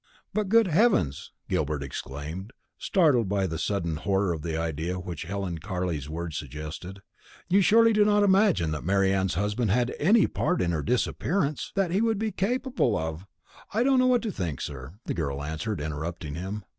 "But, good Heavens!" Gilbert exclaimed, startled by the sudden horror of the idea which Ellen Carley's words suggested, "you surely do not imagine that Marian's husband had any part in her disappearance? that he could be capable of " "I don't know what to think, sir," the girl answered, interrupting him.